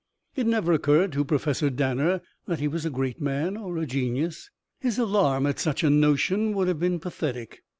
It never occurred to Professor Danner that he was a great man or a genius. His alarm at such a notion would have been pathetic.